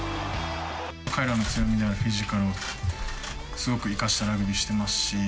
彼らの強みであるフィジカルをすごく生かしたラグビーしてますし。